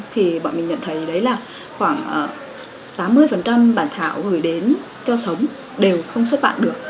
thì bọn mình nhận thấy đấy là khoảng tám mươi bản thảo gửi đến cho sống đều không xuất bản được